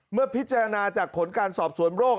เมื่อพิจารณาจากผลการสอบสวนโรค